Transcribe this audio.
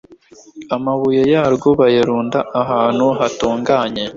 amabuye yarwo bayarunda ahantu hatunganye